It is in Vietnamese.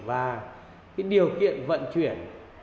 và cái điều kiện vận chuyển